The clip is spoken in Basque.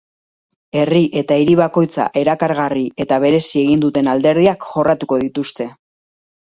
Herri eta hiri bakoitza erakargarri eta berezi egin duten alderdiak jorratuko dituzte.